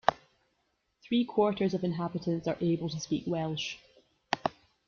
Three-quarters of inhabitants are able to speak Welsh.